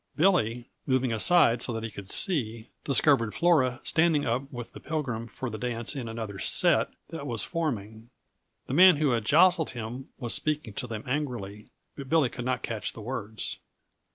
Billy, moving aside so that he could see, discovered Flora standing up with the Pilgrim for the dance in another "set" that was forming. The man who had jostled him was speaking to them angrily, but Billy could not catch the words.